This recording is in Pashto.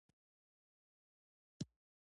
تالابونه د افغانستان د زرغونتیا یوه مهمه نښه ده.